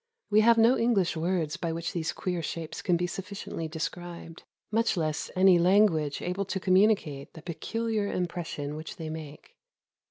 We have no English words by which these queer shapes can be sufficiently described, — much less any language able to communicate the pecuhar impression which they make.